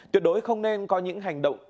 tuyệt đối không nên có những hành động